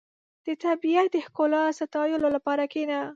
• د طبیعت د ښکلا ستایلو لپاره کښېنه.